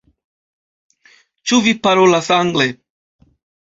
Ĉu vi parolas angle?